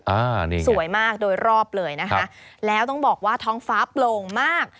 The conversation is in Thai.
อ่านี่สวยมากโดยรอบเลยนะคะแล้วต้องบอกว่าท้องฟ้าโปร่งมาก